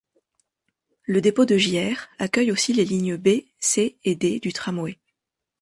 Le dépôt de Gières accueille aussi les lignes B, C et D du tramway.